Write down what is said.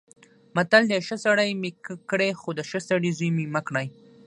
متل دی: ښه سړی مې کړې خو د ښه سړي زوی مې مه کړې.